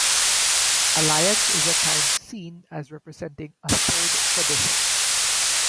Alliance is at times seen as representing a "third tradition".